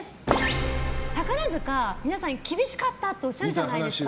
宝塚、皆さん厳しかったっておっしゃるじゃないですか。